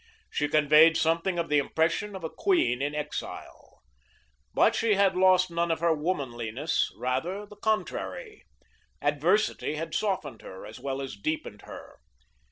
She conveyed something of the impression of a queen in exile. But she had lost none of her womanliness; rather, the contrary. Adversity had softened her, as well as deepened her.